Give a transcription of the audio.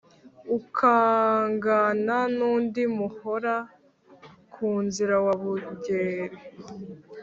ukangana n’undi muhora-ku-nzira wa bungeri